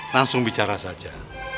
langsung bicara saja